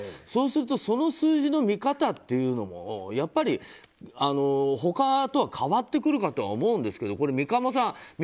そうすると、その数字の見方っていうのもやっぱり他とは変わってくるかとは思うんですけど三鴨さん